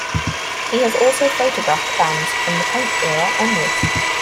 He has also photographed bands from the punk era onwards.